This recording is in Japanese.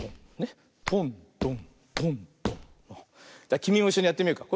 じゃきみもいっしょにやってみようか。